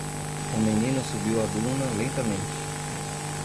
O menino subiu a duna lentamente.